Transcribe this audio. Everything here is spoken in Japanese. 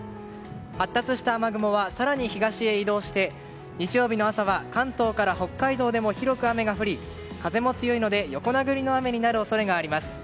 発達した雨雲は更に東へ移動して日曜日の朝は関東から北海道でも広く雨が降り風も強いので横殴りの雨になる恐れがあります。